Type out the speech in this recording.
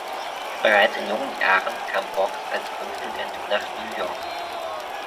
Bereits in jungen Jahren kam Boggs als Kunststudent nach New York.